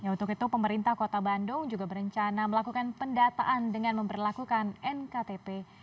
untuk itu pemerintah kota bandung juga berencana melakukan pendataan dengan memperlakukan nktp